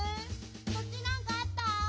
そっちなんかあった？